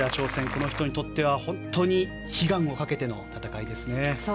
この人にとっては本当に悲願をかけての戦いですね。